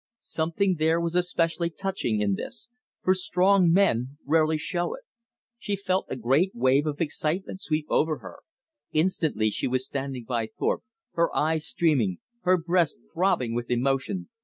Something there was especially touching in this, for strong men rarely show it. She felt a great wave of excitement sweep over her. Instantly she was standing by Thorpe, her eyes streaming, her breast throbbing with emotion.